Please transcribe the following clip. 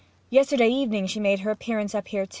Yesterday evening she made her appearance up here too.